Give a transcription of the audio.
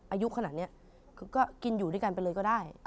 อายุขนาดนี้ก็กินอยู่ด้วยกันไปเลยก็ได้